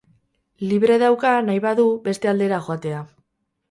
Libre dauka, nahi badu, beste aldera joatea.